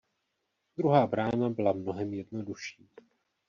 Druhá brána byla mnohem jednodušší.